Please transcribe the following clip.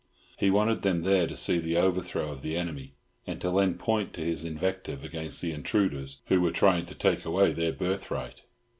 He wanted them there to see the overthrow of the enemy, and to lend point to his invective against the intruders who were trying to take away their birthright.